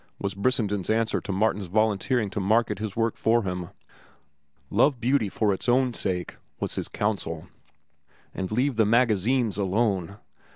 was Brissenden's answer to Martin's volunteering to market his work for him. "Love Beauty for its own sake," was his counsel, "and leave the magazines alone.